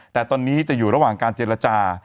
แต่ตอนนี้จะอยู่ระหว่างการเจรจา